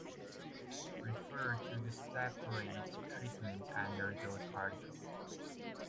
Refer to the separate treatments under those articles.